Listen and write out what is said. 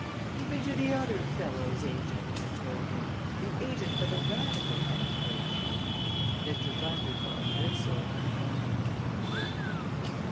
"You've been to the other fellow's agent," I told him; "the agent for the Radical candidate." Mr. Bundercombe whistled.